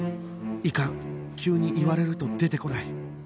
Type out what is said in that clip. いかん急に言われると出てこない